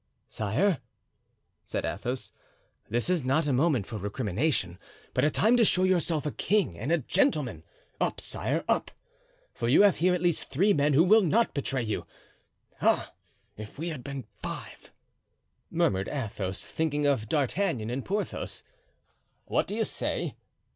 "Sire," said Athos, "this is not a moment for recrimination, but a time to show yourself a king and a gentleman. Up, sire! up! for you have here at least three men who will not betray you. Ah! if we had been five!" murmured Athos, thinking of D'Artagnan and Porthos. "What do you say?"